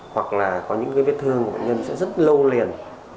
hoặc là có những viết thương của bệnh nhân sẽ rất lâu liền